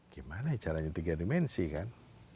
gimana caranya tiga dimensi kan